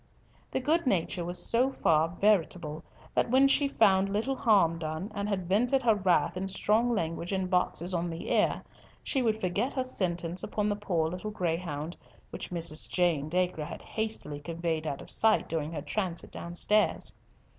The good nature was so far veritable that when she found little harm done, and had vented her wrath in strong language and boxes on the ear, she would forget her sentence upon the poor little greyhound, which Mrs. Jane Dacre had hastily conveyed out of sight during her transit downstairs.